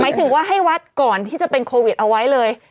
ถือว่าให้วัดก่อนที่จะเป็นโควิดเอาไว้เลย